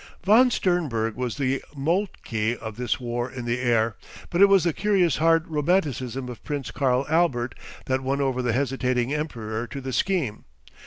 Von Sternberg was the Moltke of this War in the Air, but it was the curious hard romanticism of Prince Karl Albert that won over the hesitating Emperor to the scheme.